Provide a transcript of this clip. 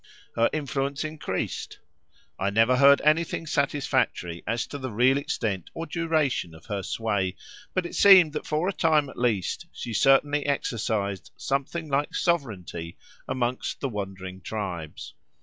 Her influence increased. I never heard anything satisfactory as to the real extent or duration of her sway, but it seemed that for a time at least she certainly exercised something like sovereignty amongst the wandering tribes.